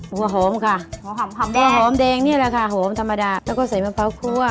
หัวหอมค่ะหอมแดงหัวหอมแดงนี่แหละค่ะหอมธรรมดาแล้วก็ใส่มะพร้าวคั่ว